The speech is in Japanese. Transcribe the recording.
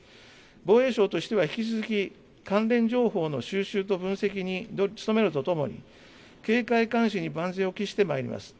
防衛省としては引き続き関連情報の収集と分析に努めるとともに、警戒監視に万全を期してまいります。